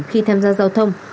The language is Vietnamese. khi tham gia giao thông